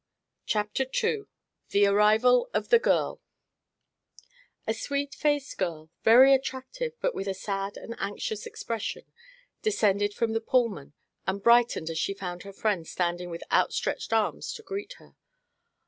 CHAPTER II THE ARRIVAL OF THE GIRL A sweet faced girl, very attractive but with a sad and anxious expression, descended from the Pullman and brightened as she found her friends standing with outstretched arms to greet her.